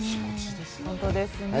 本当ですね。